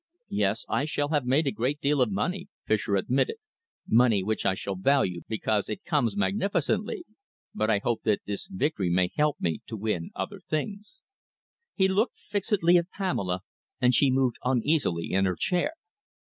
"Yes, I shall have made a great deal of money," Fischer admitted, "money which I shall value because it comes magnificently, but I hope that this victory may help me to win other things." He looked fixedly at Pamela, and she moved uneasily in her chair.